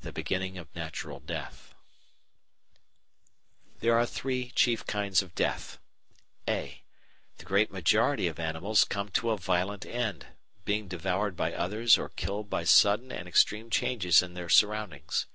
The Beginning of Natural Death There are three chief kinds of death, (a) The great majority of animals come to a violent end, being devoured by others or killed by sudden and extreme changes in their surroundings.